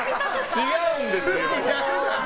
違うんですよ。